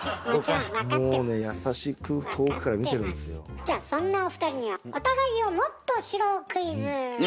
じゃあそんなお二人にはお互いをもっと知ろうクイズ！わ。